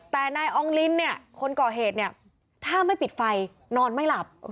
แต่นายอองลินเนี่ยคนก่อเหตุเนี่ยถ้าไม่ปิดไฟนอนไม่หลับ